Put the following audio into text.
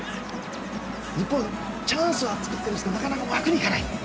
日本、チャンスは作っているんですがなかなか枠にいかない。